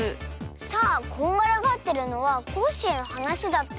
さあこんがらがってるのはコッシーのはなしだったよね。